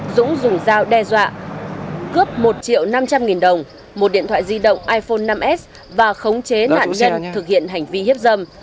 dũng dùng dao đe dọa cướp một triệu năm trăm linh nghìn đồng một điện thoại di động iphone năm s và khống chế nạn nhân thực hiện hành vi hiếp dâm